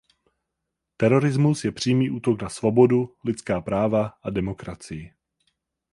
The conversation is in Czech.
Terorismus je přímý útok na svobodu, lidská práva a demokracii.